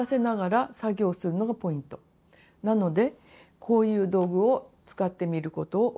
なのでこういう道具を使ってみることをおすすめします。